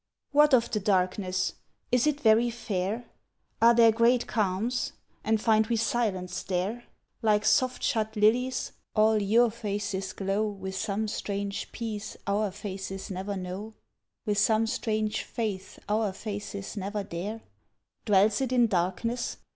What of the darkness? Is it very fair? Are there great calms? and find we silence there? Like soft shut lilies, all your faces glow With some strange peace our faces never know, With some strange faith our faces never dare, Dwells it in Darkness?